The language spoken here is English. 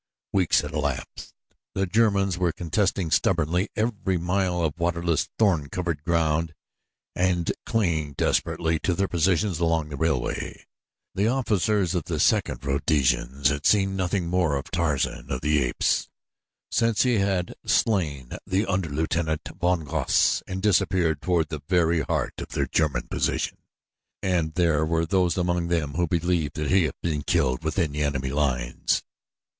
Weeks had elapsed. The Germans were contesting stubbornly every mile of waterless, thorn covered ground and clinging desperately to their positions along the railway. The officers of the Second Rhodesians had seen nothing more of Tarzan of the Apes since he had slain Underlieutenant von Goss and disappeared toward the very heart of the German position, and there were those among them who believed that he had been killed within the enemy lines.